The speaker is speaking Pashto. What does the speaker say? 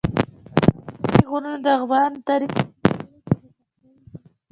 پابندی غرونه د افغان تاریخ په کتابونو کې ذکر شوی دي.